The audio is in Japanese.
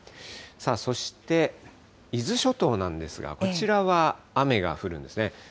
そして、伊豆諸島なんですが、こちらは雨が降るんですね。